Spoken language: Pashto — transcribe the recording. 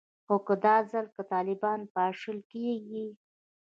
خو که دا ځل که طالبان پاشل کیږي